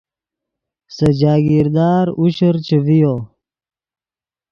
سے جاگیر دار عشر چے ڤیو